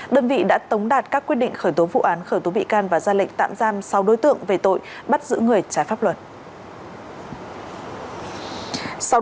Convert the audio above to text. đơn vị đã tống đạt các quyết định khởi tố vụ án khởi tố bị can và ra lệnh tạm giam sáu đối tượng về tội bắt giữ người trái pháp luật